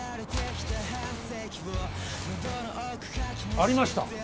ありました